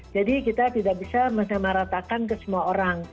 jadi kita tidak bisa menamaratakan ke semua orang